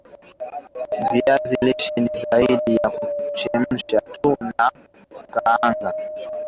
viazi lishe ni zaidi ya kuchemsha tu na kukaanga